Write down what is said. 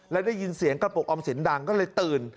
แล้วได้ยินเสียงกระปุกออมสินดังก็เลยตื่น